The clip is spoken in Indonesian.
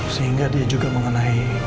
sehingga dia juga mengenai